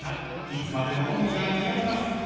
いつまでも海が似合います］